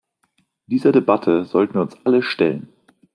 Dieser Debatte sollten wir uns alle stellen.